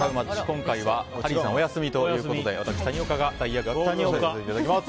今回はハリーさんお休みということで私、谷岡が代役を務めさせていただきます。